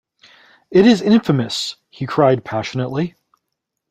"It is infamous," he cried passionately.